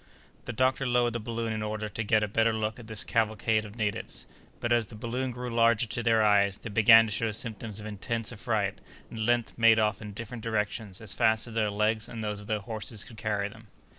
The doctor lowered the balloon in order to get a better look at this cavalcade of natives; but, as the balloon grew larger to their eyes, they began to show symptoms of intense affright, and at length made off in different directions as fast as their legs and those of their horses could carry them.